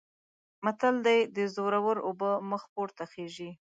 متل دی: د زورو اوبه مخ پورته خیژي.